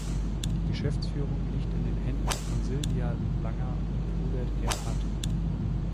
Die Geschäftsführung liegt in den Händen von Sylvia Langer und Hubert Erhard.